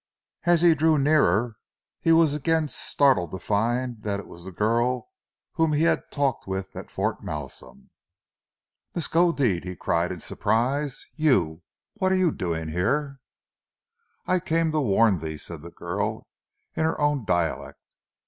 As he drew nearer he was again startled to find that it was the girl whom he had talked with at Fort Malsun. "Miskodeed," he cried in surprise. "You! What are you doing here?" "I come to warn thee," said the girl in her own dialect.